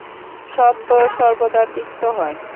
সত্য সর্বদা তিক্ত হয়।